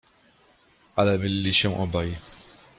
Ale mylili się obaj.